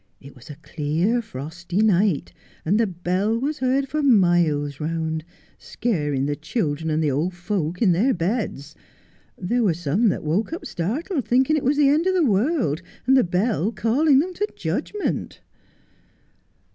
It was a clear, frosty night, and the bell was heard for miles round, scaring the children and the old folks in their beds. There were some that woke up startled, thinking it was the end of the world, and the bell calling them to judgment